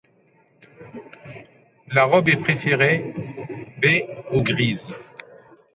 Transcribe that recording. La robe est préférée baie ou grise.